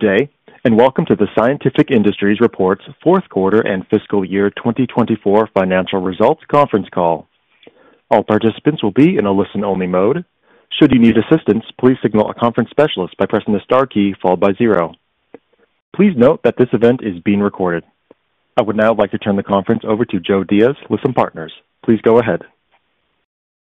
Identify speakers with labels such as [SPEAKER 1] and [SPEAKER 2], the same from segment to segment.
[SPEAKER 1] Today, and welcome to the Scientific Industries Report's Fourth Quarter and Fiscal Year 2024 Financial Results Conference Call. All participants will be in a listen-only mode. Should you need assistance, please signal a conference specialist by pressing the star key followed by zero. Please note that this event is being recorded. I would now like to turn the conference over to Joe Diaz with some partners. Please go ahead.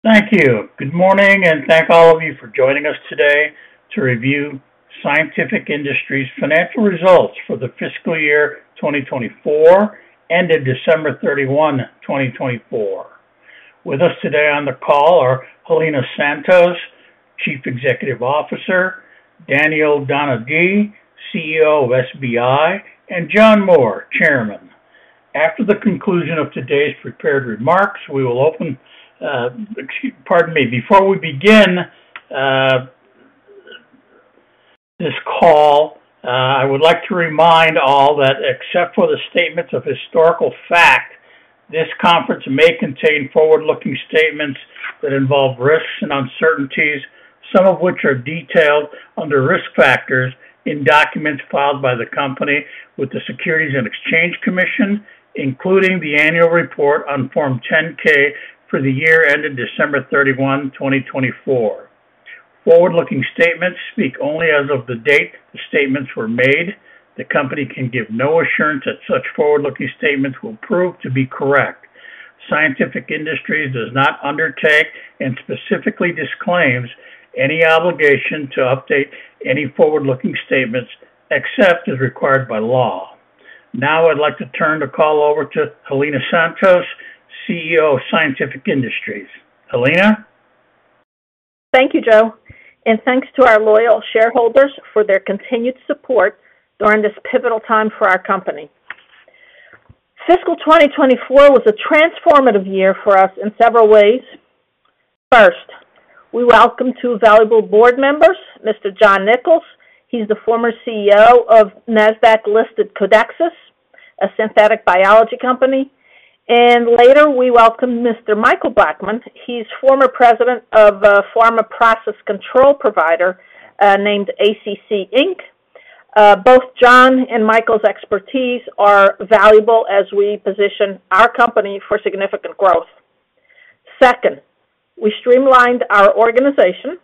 [SPEAKER 2] Thank you. Good morning, and thank all of you for joining us today to review Scientific Industries' financial results for the fiscal year 2024 ended December 31, 2024. With us today on the call are Helena Santos, Chief Executive Officer; Daniel Donaghy, CEO of SBI; and John Moore, Chairman. After the conclusion of today's prepared remarks, we will open—excuse me, pardon me—before we begin this call, I would like to remind all that except for the statements of historical fact, this conference may contain forward-looking statements that involve risks and uncertainties, some of which are detailed under risk factors in documents filed by the company with the Securities and Exchange Commission, including the annual report on Form 10-K for the year ended December 31, 2024. Forward-looking statements speak only as of the date the statements were made. The company can give no assurance that such forward-looking statements will prove to be correct. Scientific Industries does not undertake and specifically disclaims any obligation to update any forward-looking statements except as required by law. Now, I'd like to turn the call over to Helena Santos, CEO of Scientific Industries. Helena?
[SPEAKER 3] Thank you, Joe, and thanks to our loyal shareholders for their continued support during this pivotal time for our company. Fiscal 2024 was a transformative year for us in several ways. First, we welcome two valuable board members, Mr. John Nicols. He's the former CEO of Nasdaq-listed Codexis, a synthetic biology company. Later, we welcome Mr. Michael Blackman. He's former President of a pharma process control provider named [ACC Inc]. Both John and Michael's expertise are valuable as we position our company for significant growth. Second, we streamlined our organization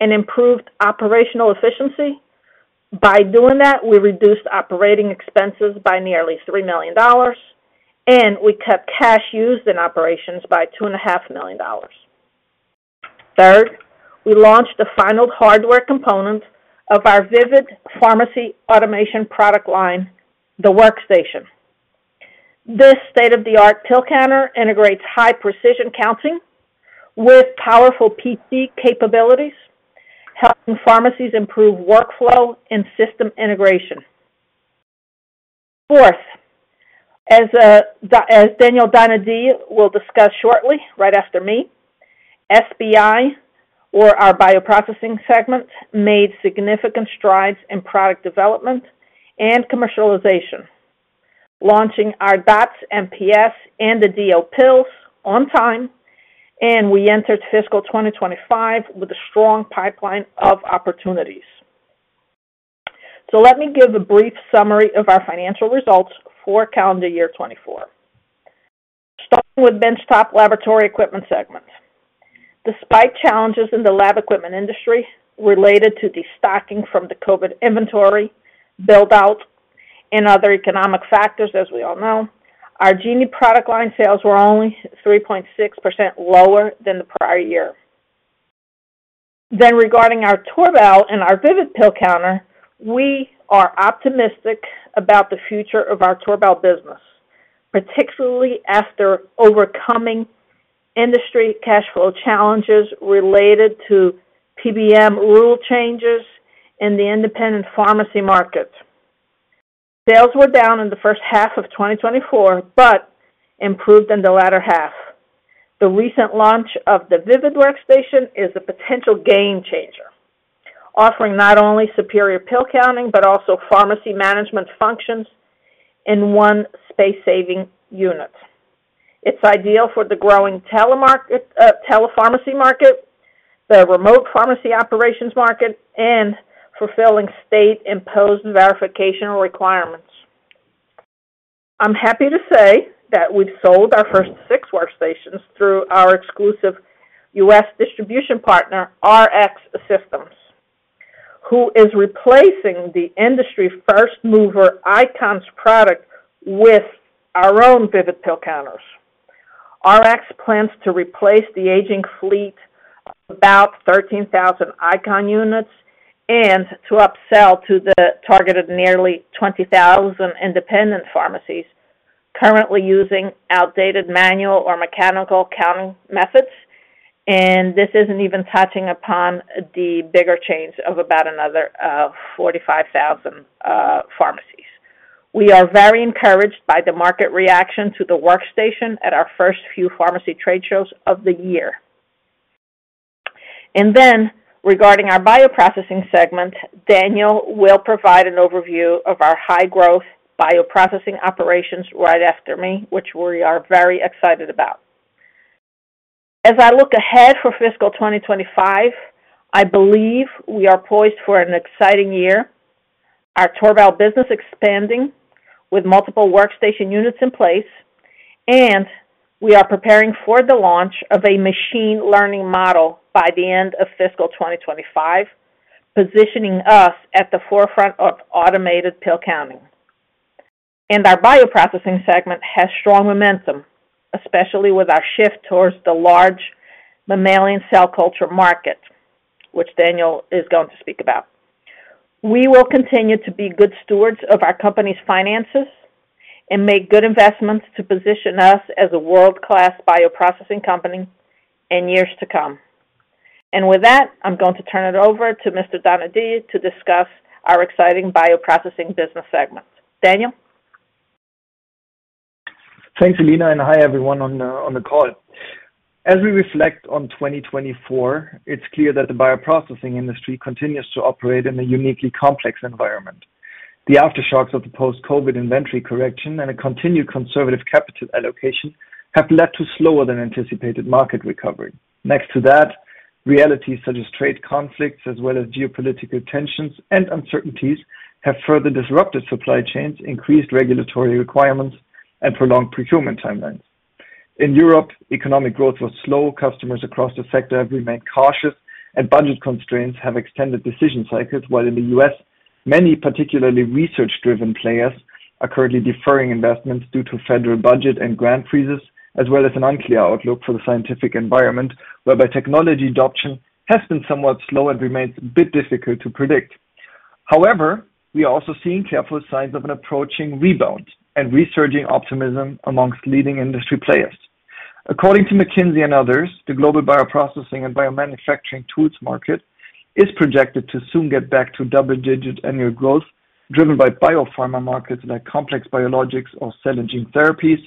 [SPEAKER 3] and improved operational efficiency. By doing that, we reduced operating expenses by nearly $3 million, and we cut cash used in operations by $2.5 million. Third, we launched a final hardware component of our VIVID pharmacy automation product line, the Workstation. This state-of-the-art pill counter integrates high-precision counting with powerful PC capabilities, helping pharmacies improve workflow and system integration. Fourth, as Daniel Donaghy will discuss shortly right after me, SBI, or our bioprocessing segment, made significant strides in product development and commercialization, launching our DOTS MPS and the DO pills on time, and we entered fiscal 2025 with a strong pipeline of opportunities. Let me give a brief summary of our financial results for calendar year 2024. Starting with Benchtop laboratory equipment segment. Despite challenges in the lab equipment industry related to the stocking from the COVID inventory buildout and other economic factors, as we all know, our Genie product line sales were only 3.6% lower than the prior year. Regarding our TORBAL and our VIVID pill counter, we are optimistic about the future of our TORBAL business, particularly after overcoming industry cash flow challenges related to PBM rule changes in the independent pharmacy market. Sales were down in the first half of 2024 but improved in the latter half. The recent launch of the VIVID Workstation is a potential game changer, offering not only superior pill counting but also pharmacy management functions in one space-saving unit. It's ideal for the growing telepharmacy market, the remote pharmacy operations market, and fulfilling state-imposed verification requirements. I'm happy to say that we've sold our first six Workstations through our exclusive U.S. distribution partner, Rx Systems, who is replacing the industry first mover Eyecon's product with our own VIVID pill counters. RX plans to replace the aging fleet of about 13,000 Eyecon units and to upsell to the targeted nearly 20,000 independent pharmacies currently using outdated manual or mechanical counting methods. This isn't even touching upon the bigger chains of about another 45,000 pharmacies. We are very encouraged by the market reaction to the Workstation at our first few pharmacy trade shows of the year. Regarding our bioprocessing segment, Daniel will provide an overview of our high-growth bioprocessing operations right after me, which we are very excited about. As I look ahead for fiscal 2025, I believe we are poised for an exciting year, our TORBAL business expanding with multiple Workstation units in place, and we are preparing for the launch of a machine learning model by the end of fiscal 2025, positioning us at the forefront of automated pill counting. Our bioprocessing segment has strong momentum, especially with our shift towards the large mammalian cell culture market, which Daniel is going to speak about. We will continue to be good stewards of our company's finances and make good investments to position us as a world-class bioprocessing company in years to come. With that, I'm going to turn it over to Mr. Donaghy to discuss our exciting bioprocessing business segment. Daniel?
[SPEAKER 4] Thanks, Helena, and hi everyone on the call. As we reflect on 2024, it's clear that the bioprocessing industry continues to operate in a uniquely complex environment. The aftershocks of the post-COVID inventory correction and a continued conservative capital allocation have led to slower than anticipated market recovery. Next to that, realities such as trade conflicts, as well as geopolitical tensions and uncertainties, have further disrupted supply chains, increased regulatory requirements, and prolonged procurement timelines. In Europe, economic growth was slow. Customers across the sector have remained cautious, and budget constraints have extended decision cycles. While in the U.S., many particularly research-driven players are currently deferring investments due to federal budget and grant freezes, as well as an unclear outlook for the scientific environment, whereby technology adoption has been somewhat slow and remains a bit difficult to predict. However, we are also seeing careful signs of an approaching rebound and resurging optimism amongst leading industry players. According to McKinsey and others, the global bioprocessing and biomanufacturing tools market is projected to soon get back to double-digit annual growth, driven by biopharma markets like complex biologics or cell and gene therapies,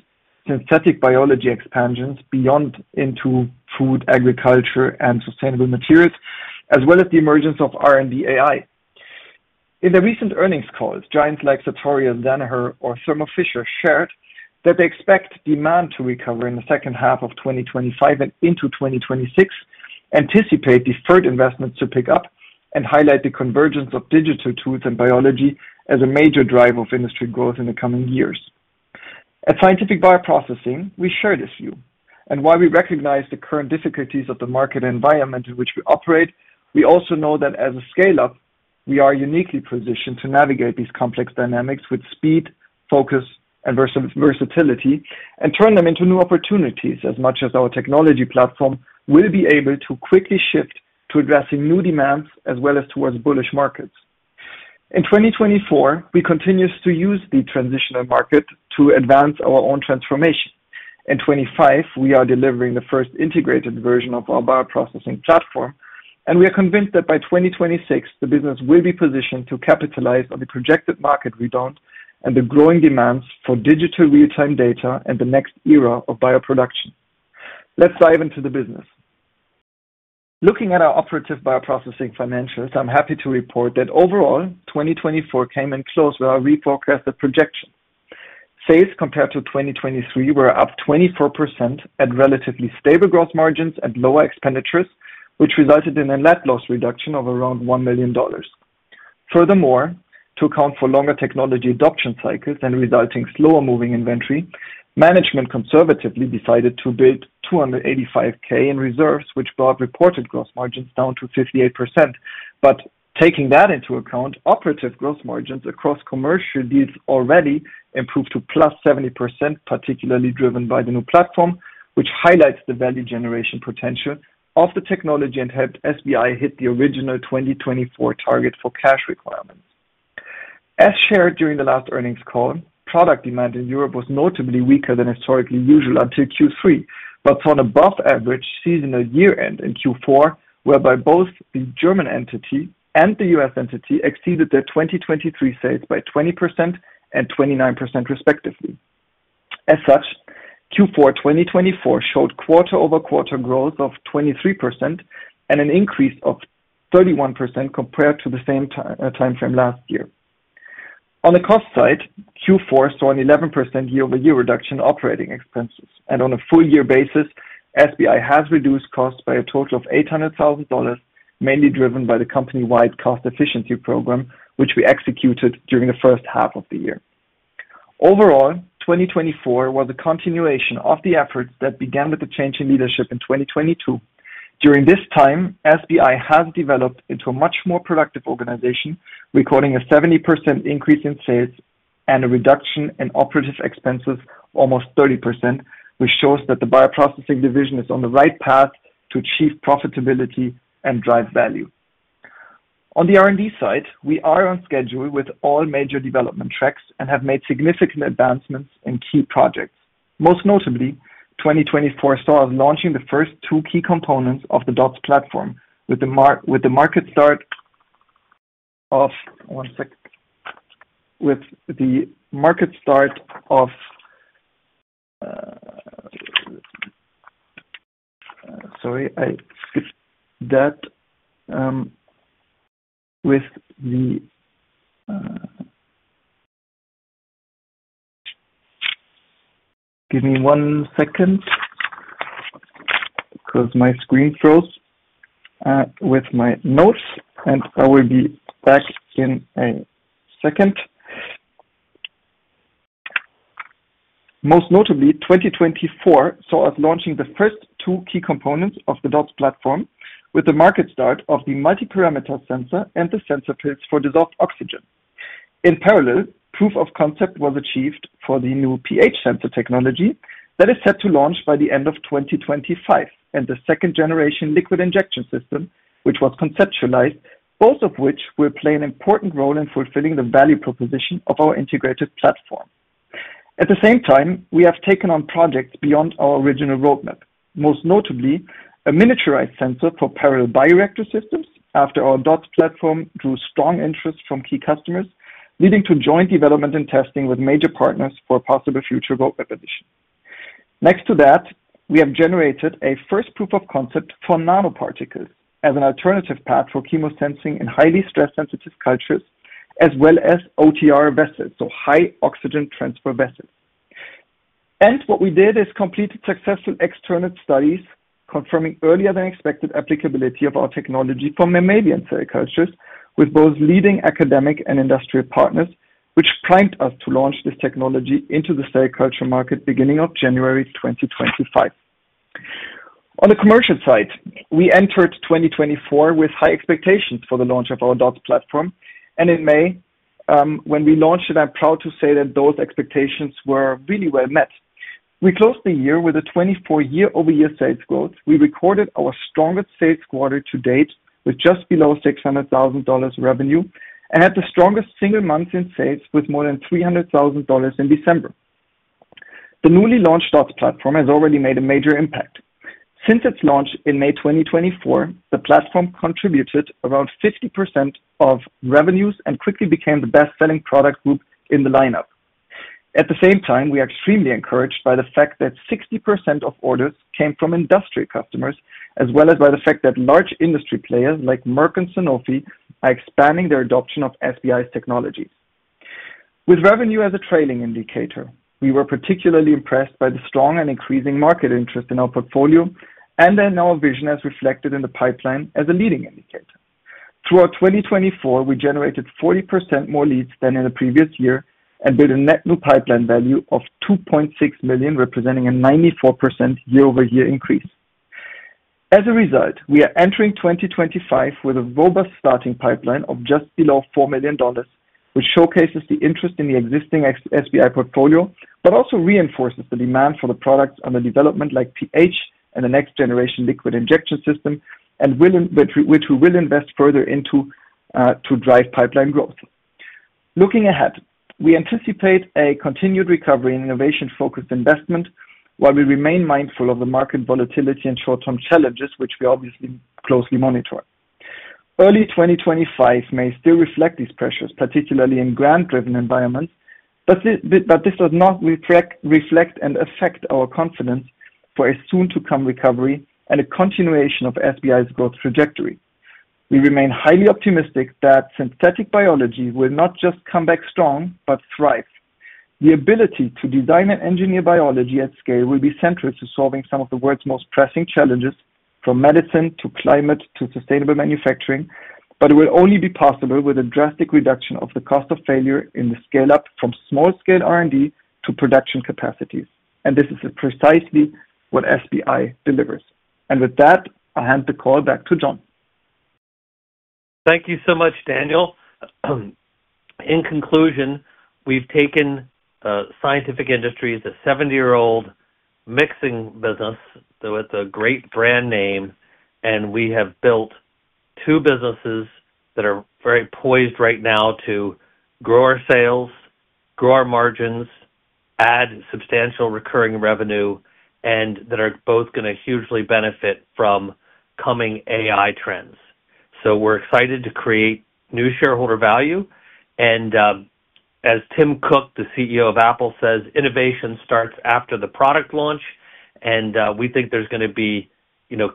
[SPEAKER 4] synthetic biology expansions beyond into food, agriculture, and sustainable materials, as well as the emergence of R&D AI. In their recent earnings calls, giants like Sartorius, Danaher, or Thermo Fisher shared that they expect demand to recover in the second half of 2025 and into 2026, anticipate deferred investments to pick up, and highlight the convergence of digital tools and biology as a major driver of industry growth in the coming years. At Scientific Bioprocessing, we share this view. While we recognize the current difficulties of the market environment in which we operate, we also know that as a scale-up, we are uniquely positioned to navigate these complex dynamics with speed, focus, and versatility, and turn them into new opportunities as much as our technology platform will be able to quickly shift to addressing new demands as well as towards bullish markets. In 2024, we continue to use the transitional market to advance our own transformation. In 2025, we are delivering the first integrated version of our bioprocessing platform, and we are convinced that by 2026, the business will be positioned to capitalize on the projected market rebound and the growing demands for digital real-time data and the next era of bioproduction. Let's dive into the business. Looking at our operative bioprocessing financials, I'm happy to report that overall, 2024 came in close with our reforecasted projection. Sales compared to 2023 were up 24% at relatively stable growth margins and lower expenditures, which resulted in a net loss reduction of around $1 million. Furthermore, to account for longer technology adoption cycles and resulting slower-moving inventory, management conservatively decided to build $285,000 in reserves, which brought reported gross margins down to 58%. Taking that into account, operative gross margins across commercial deals already improved to plus 70%, particularly driven by the new platform, which highlights the value generation potential of the technology and helped SBI hit the original 2024 target for cash requirements. As shared during the last earnings call, product demand in Europe was notably weaker than historically usual until Q3, but saw an above-average seasonal year-end in Q4, whereby both the German entity and the U.S. entity exceeded their 2023 sales by 20% and 29%, respectively. As such, Q4 2024 showed quarter-over-quarter growth of 23% and an increase of 31% compared to the same timeframe last year. On the cost side, Q4 saw an 11% year-over-year reduction in operating expenses. On a full-year basis, SBI has reduced costs by a total of $800,000, mainly driven by the company-wide cost efficiency program, which we executed during the first half of the year. Overall, 2024 was a continuation of the efforts that began with the change in leadership in 2022. During this time, SBI has developed into a much more productive organization, recording a 70% increase in sales and a reduction in operative expenses of almost 30%, which shows that the bioprocessing division is on the right path to achieve profitability and drive value. On the R&D side, we are on schedule with all major development tracks and have made significant advancements in key projects. Most notably, 2024 saw us launching the first two key components of the DOTS platform with the market start of the multiparameter sensor and the sensor pills for dissolved oxygen. In parallel, proof of concept was achieved for the new pH sensor technology that is set to launch by the end of 2025 and the second-generation liquid injection system, which was conceptualized, both of which will play an important role in fulfilling the value proposition of our integrated platform. At the same time, we have taken on projects beyond our original roadmap. Most notably, a miniaturized sensor for parallel bioreactor systems after our DOTS platform drew strong interest from key customers, leading to joint development and testing with major partners for a possible future roadmap edition. Next to that, we have generated a first proof of concept for nanoparticles as an alternative path for chemosensing in highly stress-sensitive cultures, as well as OTR vessels, so high-oxygen transfer vessels. What we did is completed successful external studies confirming earlier-than-expected applicability of our technology for mammalian cell cultures with both leading academic and industrial partners, which primed us to launch this technology into the cell culture market beginning of January 2025. On the commercial side, we entered 2024 with high expectations for the launch of our DOTS platform. In May, when we launched it, I'm proud to say that those expectations were really well met. We closed the year with a 24% year-over-year sales growth. We recorded our strongest sales quarter to date with just below $600,000 revenue and had the strongest single month in sales with more than $300,000 in December. The newly launched DOTS platform has already made a major impact. Since its launch in May 2024, the platform contributed around 50% of revenues and quickly became the best-selling product group in the lineup. At the same time, we are extremely encouraged by the fact that 60% of orders came from industrial customers, as well as by the fact that large industry players like Merck and Sanofi are expanding their adoption of SBI's technologies. With revenue as a trailing indicator, we were particularly impressed by the strong and increasing market interest in our portfolio and then our vision as reflected in the pipeline as a leading indicator. Throughout 2024, we generated 40% more leads than in the previous year and built a net new pipeline value of $2.6 million, representing a 94% year-over-year increase. As a result, we are entering 2025 with a robust starting pipeline of just below $4 million, which showcases the interest in the existing SBI portfolio but also reinforces the demand for the products under development like pH and the next-generation liquid injection system, which we will invest further into to drive pipeline growth. Looking ahead, we anticipate a continued recovery and innovation-focused investment while we remain mindful of the market volatility and short-term challenges, which we obviously closely monitor. Early 2025 may still reflect these pressures, particularly in grant-driven environments, but this does not reflect and affect our confidence for a soon-to-come recovery and a continuation of SBI's growth trajectory. We remain highly optimistic that synthetic biology will not just come back strong but thrive. The ability to design and engineer biology at scale will be central to solving some of the world's most pressing challenges, from medicine to climate to sustainable manufacturing, but it will only be possible with a drastic reduction of the cost of failure in the scale-up from small-scale R&D to production capacities. This is precisely what SBI delivers. With that, I hand the call back to John.
[SPEAKER 5] Thank you so much, Daniel. In conclusion, we've taken Scientific Industries, a 70-year-old mixing business with a great brand name, and we have built two businesses that are very poised right now to grow our sales, grow our margins, add substantial recurring revenue, and that are both going to hugely benefit from coming AI trends. We are excited to create new shareholder value. As Tim Cook, the CEO of Apple, says, "Innovation starts after the product launch." We think there's going to be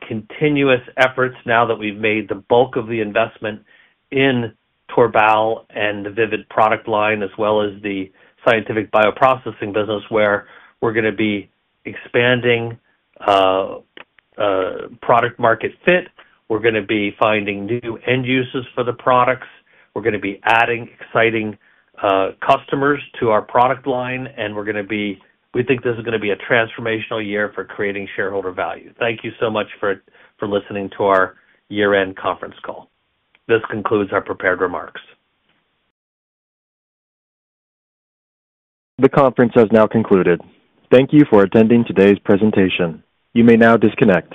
[SPEAKER 5] continuous efforts now that we've made the bulk of the investment in TORBAL and the VIVID product line, as well as the Scientific Bioprocessing business, where we're going to be expanding product-market fit. We're going to be finding new end uses for the products. We're going to be adding exciting customers to our product line. We think this is going to be a transformational year for creating shareholder value. Thank you so much for listening to our year-end conference call. This concludes our prepared remarks.
[SPEAKER 1] The conference has now concluded. Thank you for attending today's presentation. You may now disconnect.